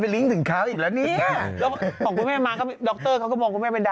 โลกของกูอีก๒อ่ะ